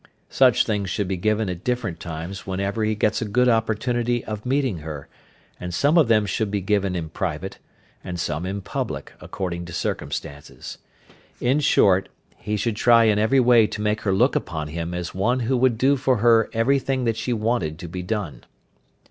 Such things should be given at different times whenever he gets a good opportunity of meeting her, and some of them should be given in private, and some in public, according to circumstances. In short, he should try in every way to make her look upon him as one who would do for her everything that she wanted to be done.